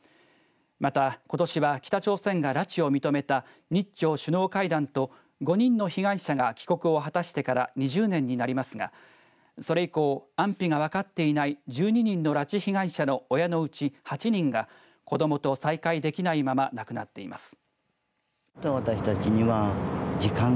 また、ことしは北朝鮮が拉致を認めた日朝首脳会談と５人の被害者が帰国を果たしてから２０年になりますが、それ以降、安否が分かっていない１２人の拉致被害者の親のうち８人が子どもと再会できないまま亡くなっています。